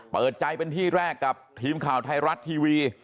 เปิดใจเป็นที่แรกกับทีมข่าวไทยรัฐทีวี